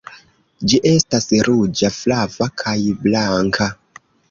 Ĝi estas ruĝa, flava, kaj blanka.